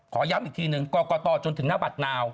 ย้ำอีกทีหนึ่งกรกตจนถึงหน้าบัตรนาว